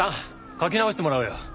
書き直してもらうよ。